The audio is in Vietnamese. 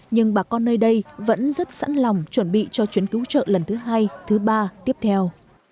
nhưng bà con nơi đây vẫn rất sẵn lòng chuẩn bị cho chuyến cứu trợ lần thứ hai thứ ba tiếp theo